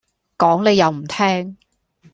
講你又唔聽